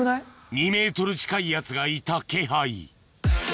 ２ｍ近いやつがいた気配